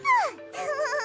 フフフフ。